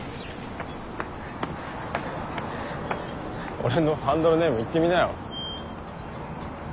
俺のハンドルネーム言ってみなよ。